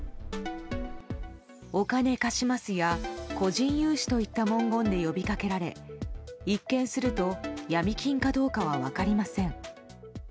「＃お金貸します」や個人融資といった文言で呼びかけられ一見するとヤミ金かどうかは分かりません。